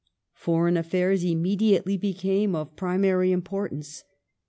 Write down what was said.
Foreign affairs immediately became of primary impor tance.